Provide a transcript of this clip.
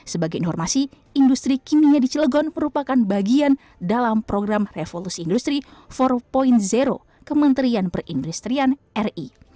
sebagai informasi industri kimia di cilegon merupakan bagian dalam program revolusi industri empat kementerian perindustrian ri